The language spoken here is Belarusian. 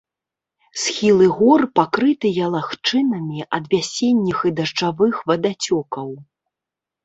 Схілы гор пакрытыя лагчынамі ад вясенніх і дажджавых вадацёкаў.